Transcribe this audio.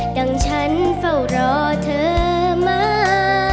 ดังฉันเฝ้ารอเธอมา